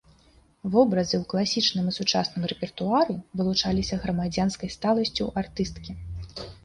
Вобразы ў класічным і сучасным рэпертуары вылучаліся грамадзянскай сталасцю артысткі.